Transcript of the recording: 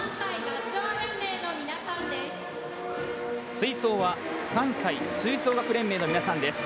吹奏は、関西吹奏楽連盟の皆さんです。